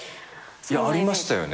いやありましたよね。